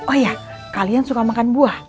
oh ya kalian suka makan buah